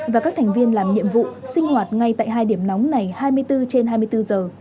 và các thành viên làm nhiệm vụ sinh hoạt ngay tại hai điểm nóng này hai mươi bốn trên hai mươi bốn giờ